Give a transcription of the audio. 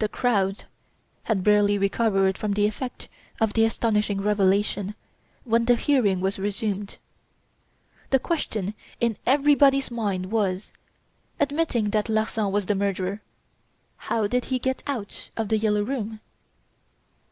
The crowd had barely recovered from the effect of the astonishing revelation when the hearing was resumed. The question in everybody's mind was: Admitting that Larsan was the murderer, how did he get out of "The Yellow Room"?